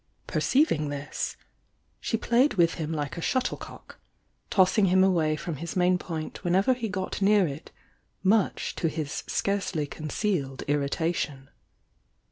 Perceiving this, she 150 THE YOUNG DIANA 151 played with him like a shuttlecock, tossing him away from his main point whenever he got near it, much to hi« scarcely concealed irritation.